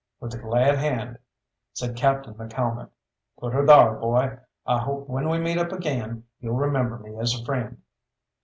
"With a glad hand," said Captain McCalmont. "Put her thar, boy! I hope when we meet up again you'll remember me as a friend."